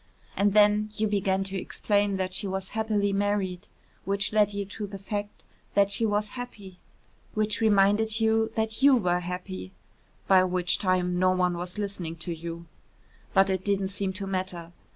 And then you began to explain that she was happily married, which led you to the fact that she was happy, which reminded you that you were happy, by which time no one was listening to you. But it didn't seem to matter.